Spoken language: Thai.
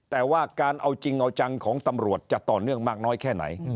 แต่ว่าการเอาจริงเอาจังของตำรวจจะต่อเนื่องมากน้อยแค่ไหน